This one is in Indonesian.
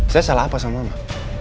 saya salah apa sama mama